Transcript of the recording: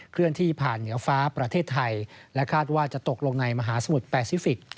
เคลื่อนที่ผ่านเหนือฟ้าประเทศไทยและคาดว่าจะตกลงในมหาสมุทรแปซิฟิกส